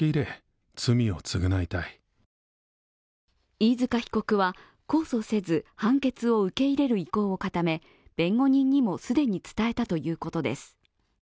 飯塚被告は控訴せず、判決を受け入れる意向を固め、弁護人にも既に伝えたということです。